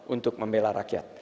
untuk membela rakyat